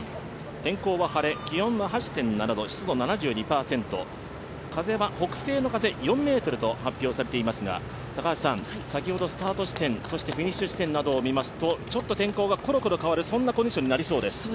天候は晴れ、気温は８．７度、湿度は７０％、風は北西の風４メートルと発表されていますが、先ほどスタート地点、フィニッシュ地点を見ますとちょっと天候がころころ変わるコンディションになりそうです。